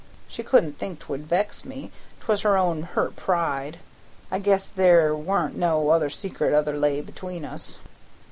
She couldn't think 'twould vex me, 'twas her own hurt pride. I guess there wa'n't no other secret ever lay between us."